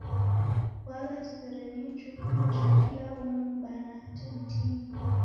Kuagha sere ni ijukumu ja kila umu; m'baa na hata mtini.